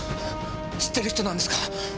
知ってる人なんですか？